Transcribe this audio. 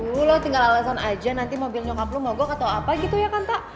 duh lo tinggal alasan aja nanti mobil nyokap lo mau gue ketau apa gitu ya kanta